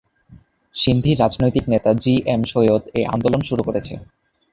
সিন্ধি রাজনৈতিক নেতা জিএম সৈয়দ এই আন্দোলন শুরু করেছে।